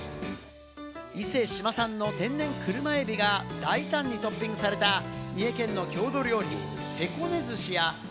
伊勢志摩産の天然クルマエビが大胆にトッピングされた、三重県の郷土料理